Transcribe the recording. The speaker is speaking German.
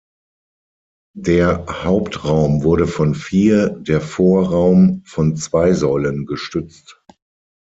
Der Hauptraum wurde von vier, der Vorraum von zwei Säulen gestützt.